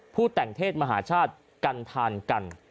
แต่งเทศมหาชาติกันทานกัน